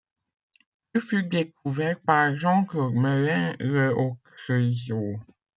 Il fut découvert par Jean-Claude Merlin le au Creusot.